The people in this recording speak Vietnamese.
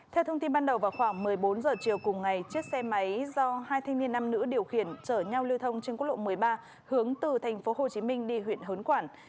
theo thông tin ban đầu vào khoảng một mươi bốn h chiều cùng ngày chiếc xe máy do hai thanh niên nam nữ điều khiển chở nhau lưu thông trên quốc lộ một mươi ba hướng từ thành phố hồ chí minh đi huyện hớn quản